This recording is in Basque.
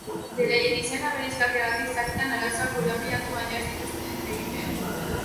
Beraien izaera bereziagatik sarritan arazoak korapilatu baino ez dituzte egiten.